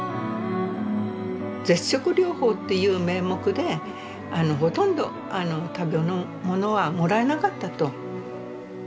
絶食療法っていう名目でほとんど食べ物はもらえなかったと。